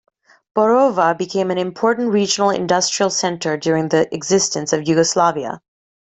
Borovo became an important regional industrial center during the existence of Yugoslavia.